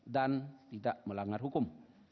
dan tidak melanggar hukum